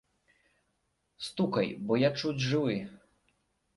Стукай, бо я чуць жывы!